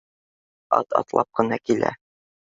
Ат атлап ҡына килә